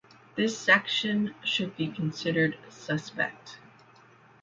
This section should be considered suspect.